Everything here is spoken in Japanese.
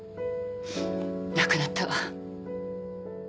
亡くなったわ。